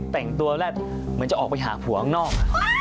แต่งตัวแล้วเหมือนจะออกไปหาผัวข้างนอก